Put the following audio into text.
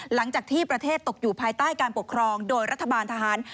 หลังจากที่ประเทศตกอยู่ภายใต้การปกครองโดยรัฐบาลทหาร